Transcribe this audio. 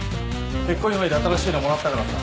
結婚祝いで新しいのもらったからさ。